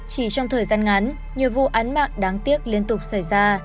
chỉ trong thời gian ngắn nhiều vụ án mạng đáng tiếc liên tục xảy ra